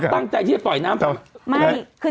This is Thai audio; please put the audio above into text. แล้วก็ตั้งใจที่จะปล่อยน้ำผ่าน